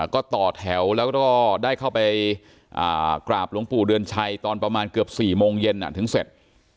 ก็ต่อแถวแล้วก็ได้เข้าไปกราบหลวงปู่เดือนชัยตอนประมาณเกือบ๔โมงเย็นถึงเสร็จ